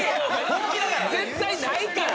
絶対ないから。